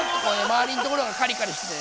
まわりのところがカリカリしててね